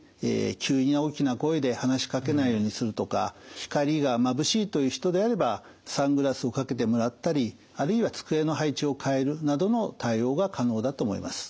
急に大きな声で話しかけないようにするとか光がまぶしいという人であればサングラスをかけてもらったりあるいは机の配置を変えるなどの対応が可能だと思います。